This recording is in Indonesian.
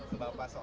ke bapak pak soal